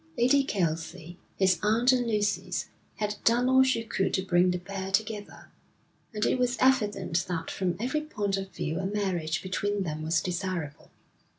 Lady Kelsey, his aunt and Lucy's, had done all she could to bring the pair together; and it was evident that from every point of view a marriage between them was desirable.